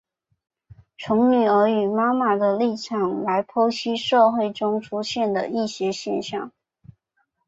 从女儿与妈妈的立场来剖析社会中出现的一些现象。